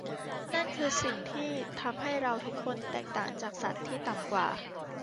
นั่นคือสิ่งที่ทำให้เราทุกคนแตกต่างจากสัตว์ที่ต่ำกว่า